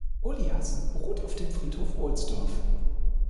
Olias ruht auf dem Friedhof Ohlsdorf.